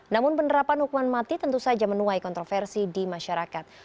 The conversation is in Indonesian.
namun penerapan hukuman mati tentu saja menuai kontroversi di masyarakat